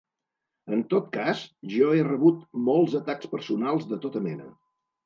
En tot cas, jo he rebut molts atacs personals de tota mena.